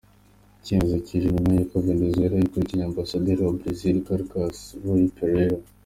Icyemezo cyije nyuma y'uko Venezuwela yirukaniye ambasaderi wa Brezil i Carcas, Ruy Pereira.